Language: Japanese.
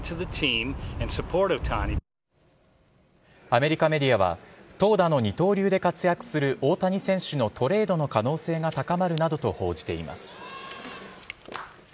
アメリカメディアは投打の二刀流で活躍する大谷選手のトレードの可能性が高まるなどと報じています。